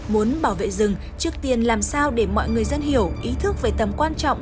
muốn bảo vệ rừng trước tiên làm sao để mọi người dân hiểu ý thức về tầm quan trọng